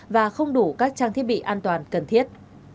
và không đủ các trang thiết bị an toàn cần thiết